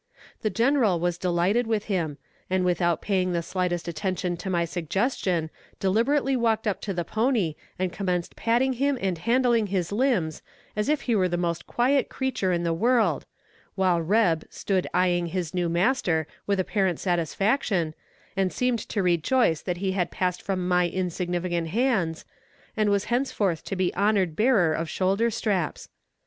The General was delighted with him, and without paying the slightest attention to my suggestion deliberately walked up to the pony and commenced patting him and handling his limbs as if he were the most quiet creature in the world, while "Reb" stood eyeing his new master with apparent satisfaction, and seemed to rejoice that he had passed from my insignificant hands, and was henceforth to be the honored bearer of shoulder straps.